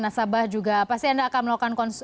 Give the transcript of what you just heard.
nasabah juga pasti anda akan melakukan